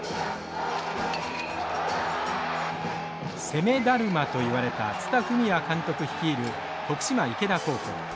攻めだるまといわれた蔦文也監督率いる徳島池田高校。